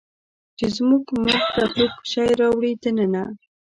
چې زموږ ملک ته څوک شی راوړي دننه